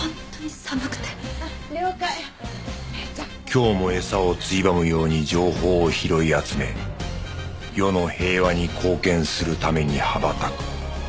今日もエサをついばむように情報を拾い集め世の平和に貢献するために羽ばたく